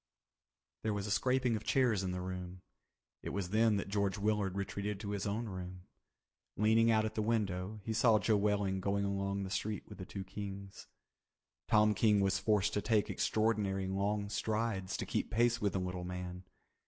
There was a scraping of chairs in the room. It was then that George Willard retreated to his own room. Leaning out at the window he saw Joe Welling going along the street with the two Kings. Tom King was forced to take extraordinary long strides to keep pace with the little man.